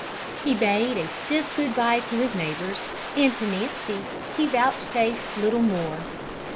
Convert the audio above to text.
He bade a stiff good bye to his neighbours, and to Nancy he vouchsafed little more.